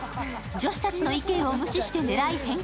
女子たちの意見を無視して狙い変更。